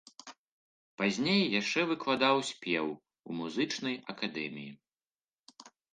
Пазней яшчэ выкладаў спеў у музычнай акадэміі.